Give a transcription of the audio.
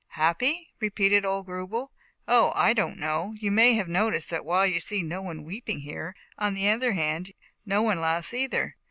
"Happy?" repeated old Grubel. "Oh, I don't know, you may have noticed that while you see no one weep ing, here, on the other hand no one laughs either.